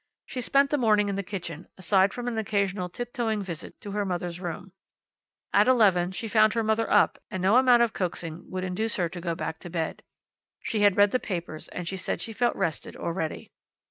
She spent the morning in the kitchen, aside from an occasional tip toeing visit to her mother's room. At eleven she found her mother up, and no amount of coaxing would induce her to go back to bed. She had read the papers and she said she felt rested already.